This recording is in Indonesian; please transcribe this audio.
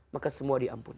maka semua diampuni